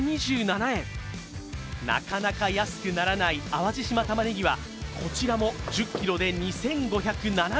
なかなか安くならない淡路島たまねぎはこちらも１０ｋｇで２５７１円。